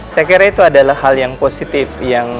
saya kira itu adalah hal yang positif